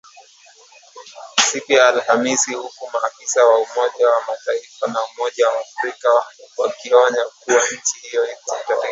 Siku ya AlhamisI huku maafisa wa Umoja wa Mataifa na Umoja wa Afrika wakionya kuwa nchi hiyo iko hatarini.